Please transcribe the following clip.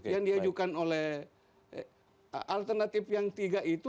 yang diajukan oleh alternatif yang tiga itu